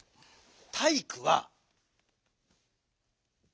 「体育」は。